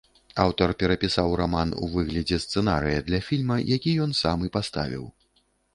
Аўтар перапісаў раман у выглядзе сцэнарыя для фільма, які ён сам і паставіў.